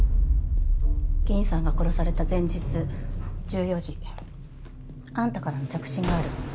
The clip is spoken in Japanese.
銀さんが殺された前日１４時あんたからの着信がある。